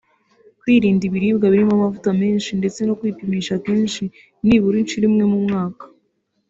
kwirinda ibiribwa birimo amavuta menshi ndetse no kwipimisha kenshi nibura inshuro imwe mu mwaka